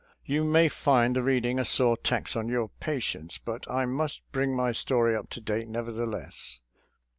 You may find the reading a sore tax on your patience, but I must bring my story up to date, neverthe less.